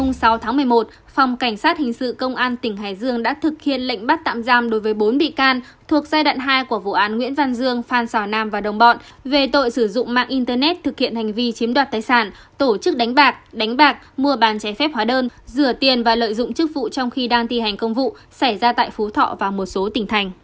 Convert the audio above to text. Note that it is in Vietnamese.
ngày sáu một mươi một phòng cảnh sát hình sự công an tỉnh hải dương đã thực hiện lệnh bắt tạm giam đối với bốn bị can thuộc giai đoạn hai của vụ án nguyễn văn dương phan sò nam và đồng bọn về tội sử dụng mạng internet thực hiện hành vi chiếm đoạt tái sản tổ chức đánh bạc đánh bạc mua bàn trái phép hóa đơn rửa tiền và lợi dụng chức vụ trong khi đang ti hành công vụ xảy ra tại phú thọ và một số tỉnh thành